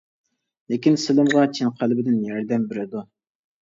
لېكىن سېلىمغا چىن قەلبىدىن ياردەم بېرىدۇ.